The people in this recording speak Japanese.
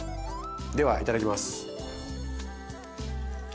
ではいただきます。